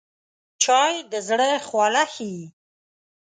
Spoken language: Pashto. چای د زړه خواله ښيي